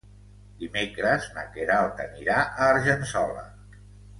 Dimecres na Queralt anirà a Argençola.